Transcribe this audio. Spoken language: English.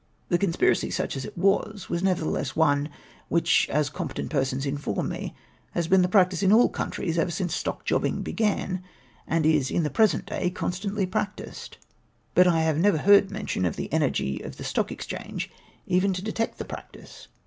The " conspkacy "— such as it was — w^as nevertheless one, which, as competent persons inform me, has been the practice in all countries ever since stock jobbing began, and is in the present day constantly practised, but I have never heard mention of the energy of the Stock Exchange even to detect the practice.